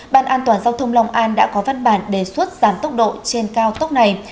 ban an toàn giao thông long an đã có văn bản đề xuất giảm tốc độ trên cao tốc này